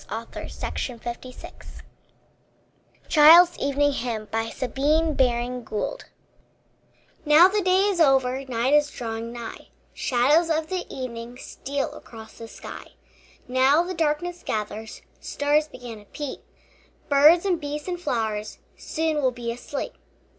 ISAAC WATTS CHILD'S EVENING HYMN Now the day is over, Night is drawing nigh, Shadows of the evening Steal across the sky. Now the darkness gathers, Stars begin to peep, Birds and beasts and flowers Soon will be asleep.